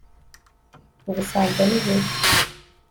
ubusambo ni bubi